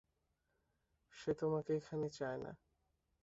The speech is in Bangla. সে তোমাকে এখানে চায় না!